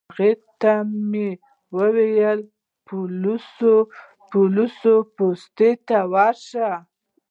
هغه ته مې وویل پولیس پوستې ته ورشه.